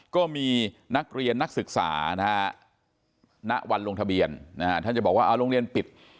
ก็มีนักเรียนนักศึกษานะฮะณวันลงทะเบียนท่านจะบอกว่าโรงเรียนปิด